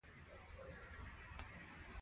پروژه د پرمختګ نښه ده.